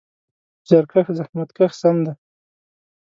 زیارکښ: زحمت کښ سم دی.